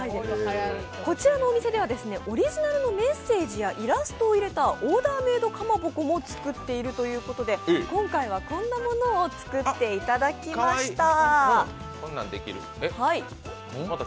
こちらのお店では、オリジナルのメッセージやイラストを入れたオーダーメイド蒲鉾も作っているということで今回はこんなものを作っていただきました。